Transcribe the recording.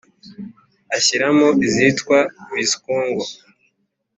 Ashyira mo izitwa Visikongo